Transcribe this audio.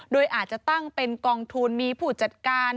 โดยอาจจะตั้งเป็นกองทุนมีผู้จัดการ